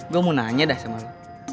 gue mau nanya dah sama lo